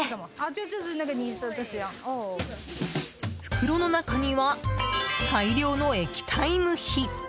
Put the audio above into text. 袋の中には、大量の液体ムヒ！